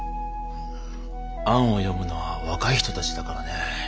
「アン」を読むのは若い人たちだからね。